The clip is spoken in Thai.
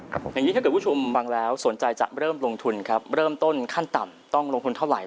อย่างนี้ถ้าเกิดผู้ชมฟังแล้วสนใจจะเริ่มลงทุนครับเริ่มต้นขั้นต่ำต้องลงทุนเท่าไหร